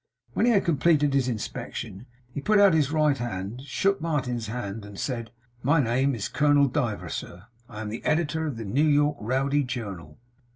When he had completed his inspection, he put out his right hand, shook Martin's hand, and said: 'My name is Colonel Diver, sir. I am the Editor of the New York Rowdy Journal.